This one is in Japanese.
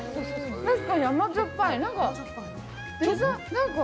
確かに甘じょっぱい。